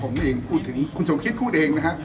คืออย่างนี้ผมพูดถึงคุณสมคฤทธิ์พูดเองนะฮะ